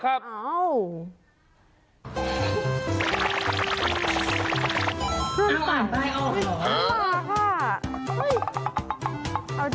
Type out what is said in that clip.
เอาจริงอยากอ่านป้ายออกเว้ย